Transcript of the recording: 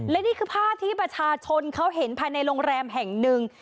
และนี่คือภาพที่ประชาชนเขาเห็นภายในโรงแรมแห่งหนึ่ง